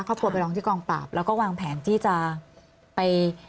เขาโทรไปร้องที่กองปราบแล้วก็วางแผนที่จะไป